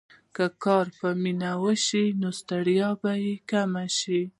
که کار په مینه وشي، نو ستړیا به کمه شي.